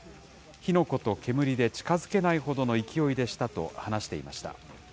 火の粉と煙で近づけないほどの勢いでしたと、話していました。